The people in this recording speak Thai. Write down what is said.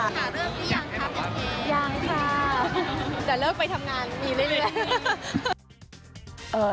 แต่เลิกไปทำงานมีเลยเลย